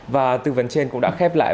và tư vấn trên cũng đã khép lại